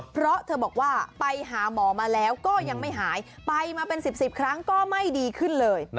เพราะเธอบอกว่าไปหาหมอมาแล้วก็ยังไม่หายไปมาเป็น๑๐ครั้งก็ไม่ดีขึ้นเลย